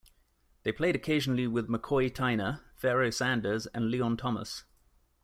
They played occasionally with McCoy Tyner, Pharoah Sanders, and Leon Thomas.